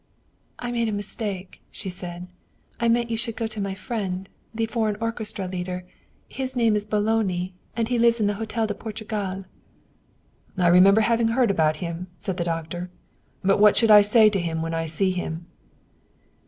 "" I made a mistake," she said. " I meant you should go to my friend, the foreign orchestra leader. His name is Boloni, and he lives in the Hotel de Portugal." " I remember having heard about him," said the doctor. " But what shall I say to him when I see him